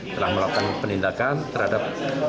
telah melakukan penindakan terhadap